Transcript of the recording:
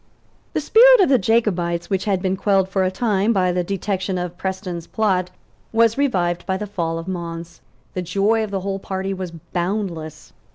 The spirit of the Jacobites, which had been quelled for a time by the detection of Preston's plot, was revived by the fall of Mons. The joy of the whole party was boundless.